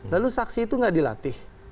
lalu saksi itu nggak dilatih